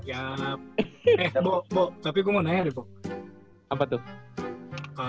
eh bo tapi gue mau nanya deh bo